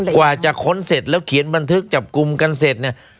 กว่าจะค้นเสร็จแล้วเขียนบันทึกจับกลุ่มกันเสร็จเนี่ย